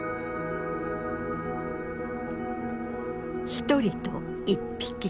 一人と一匹